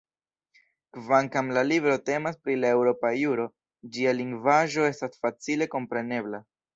Kvankam la libro temas pri la eŭropa juro, ĝia lingvaĵo estas facile komprenebla.